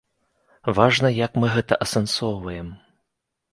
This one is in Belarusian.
Важна, як мы гэта асэнсоўваем.